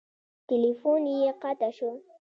تیلفون یې قطع شو.